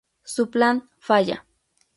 Su plan falla.